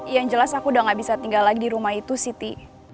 yang jelas aku udah gak bisa tinggal lagi di rumah itu siti